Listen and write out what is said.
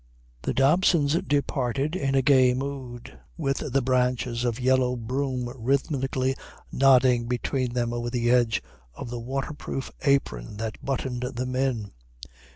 The Dobsons departed in a gay mood, with the branches of yellow broom rhythmically nodding between them over the edge of the waterproof apron that buttoned them in.